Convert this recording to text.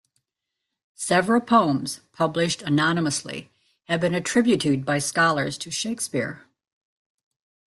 Several poems published anonymously have been attributed by scholars to Shakespeare.